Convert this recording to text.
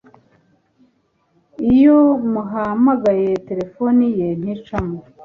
iyo muhamagaye telefoni ye nticamo